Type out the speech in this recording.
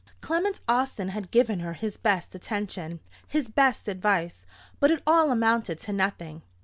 Clement Austin had given her his best attention, his best advice; but it all amounted to nothing.